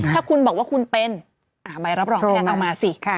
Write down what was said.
ถ้าคุณบอกว่าคุณเป็นใบรับรองไม่งั้นเอามาสิ